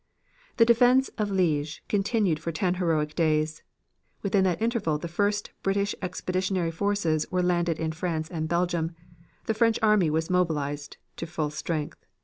The defense of Liege continued for ten heroic days. Within that interval the first British Expeditionary Forces were landed in France and Belgium, the French army was mobilized to full strength.